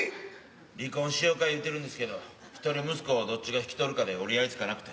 離婚しようか言うてるんですけど一人息子をどっちが引き取るかで折り合いつかなくて。